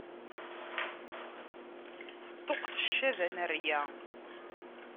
Teṭṭuqqet ccada n rrya.